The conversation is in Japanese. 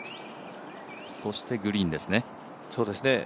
そしてグリーンですね。